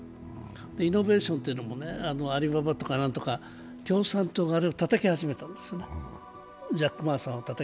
イノベーションというのも、アリババとかなんとか、共産党がたたきはじめたんですよね。